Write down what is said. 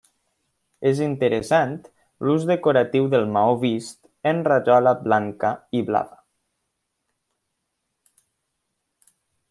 És interessant l'ús decoratiu del maó vist amb rajola blanca i blava.